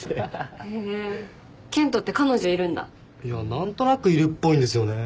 何となくいるっぽいんですよね。